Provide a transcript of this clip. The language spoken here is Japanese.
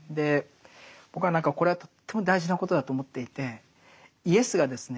僕は何かこれはとっても大事なことだと思っていてイエスがですね